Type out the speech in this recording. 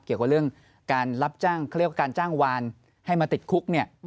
เกี่ยวกับเรื่องการรับจ้างเขาเรียกว่าการจ้างวานให้มาติดคุก